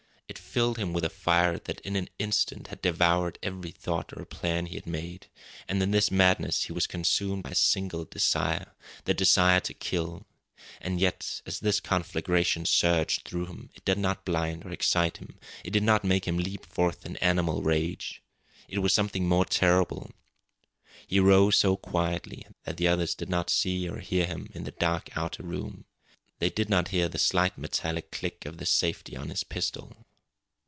It filled him with a fire that in an instant had devoured every thought or plan he had made, and in this madness he was consumed by a single desire the desire to kill. And yet, as this conflagration surged through him, it did not blind or excite him. It did not make him leap forth in animal rage. It was something more terrible. He rose so quietly that the others did not see or hear him in the dark outer room. They did not hear the slight metallic click of the safety on his pistol.